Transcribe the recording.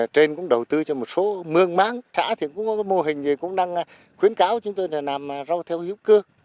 trên cũng đầu tư cho một số mương mát xã thì cũng có mô hình này cũng đang khuyến cáo chúng tôi làm rau theo hữu cơ